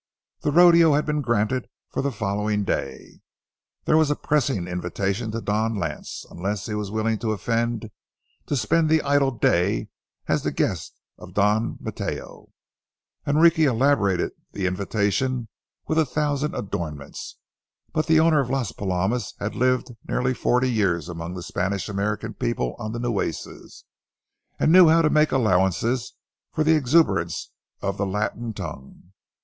The rodeo had been granted for the following day; there was a pressing invitation to Don Lance—unless he was willing to offend—to spend the idle day as the guest of Don Mateo. Enrique elaborated the invitation with a thousand adornments. But the owner of Las Palomas had lived nearly forty years among the Spanish American people on the Nueces, and knew how to make allowances for the exuberance of the Latin tongue.